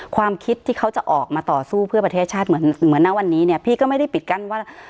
ความคิดที่เขาจะออกมาต่อสู้เพื่อประเทศชาติเหมือนเหมือนณวันนี้เนี่ยพี่ก็ไม่ได้ปิดกั้นว่า